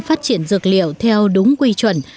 để phát triển dược liệu theo đúng quy chuẩn